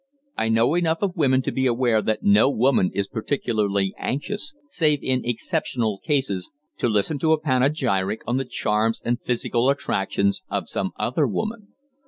I know enough of women to be aware that no woman is particularly anxious, save in exceptional cases, to listen to a panegyric on the charms and the physical attractions of some other woman.